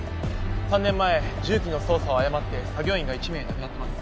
３年前重機の操作を誤って作業員が１名亡くなってます。